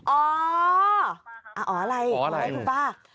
อ๋ออ๋ออะไรอ๋ออะไรถูกป้า